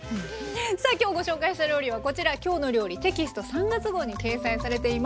さあ今日ご紹介した料理はこちら「きょうの料理」テキスト３月号に掲載されています。